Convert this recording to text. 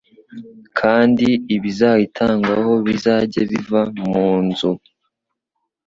kandi ibizayitangwaho bizajye biva mu nzu